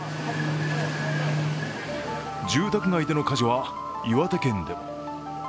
住宅街での火事は岩手県でも。